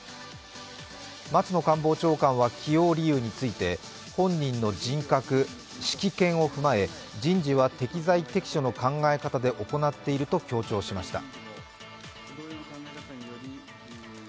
松野官房長官は起用理由について、本人の人格、識見を踏まえ人事は適材適所の考え方で行っていると強調しました。